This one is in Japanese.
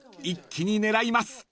一気に狙います］